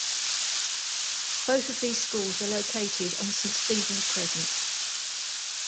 Both of these schools are located on Saint Stephens Crescent.